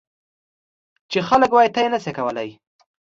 چې خلک وایي ته یې نه شې کولای.